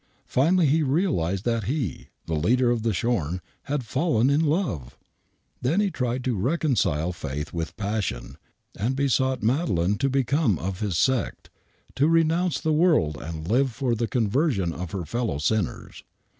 Finally he realized that he, the leader of the Shorn, had fallen in love ! 'J ^iii 56 THE WHITECHAPEL MURDERS Then he tried to reconcile faith with passion,, and besought Madeleine to become of his sect, to renounce the world and live for the conversion of her fellow sinners.